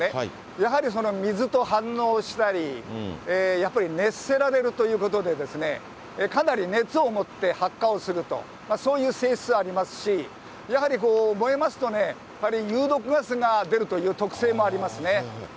やはり水と反応したり、やっぱり熱せられるということで、かなり熱を持って発火をすると、そういう性質はありますし、やはりこう、燃えますとね、有毒ガスが出るという特性もありますね。